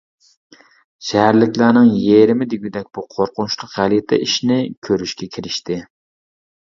شەھەرلىكلەرنىڭ يېرىمى دېگۈدەك بۇ قورقۇنچلۇق غەلىتە ئىشنى كۆرۈشكە كېلىشتى.